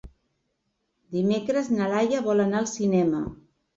Dimecres na Laia vol anar al cinema.